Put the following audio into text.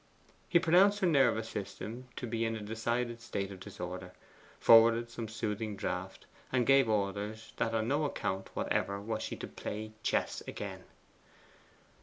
He pronounced her nervous system to be in a decided state of disorder; forwarded some soothing draught, and gave orders that on no account whatever was she to play chess again.